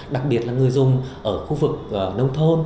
đặc biệt là người dùng ở khu vực nông thôn